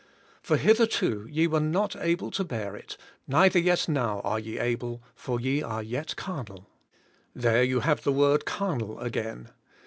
" For hitherto ye v/ere not able to bear it, neither yet now are ye able for ye are j^et carnal." There you have the word ''carnal" again.